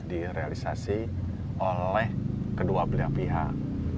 direalisasi oleh kedua belah pihak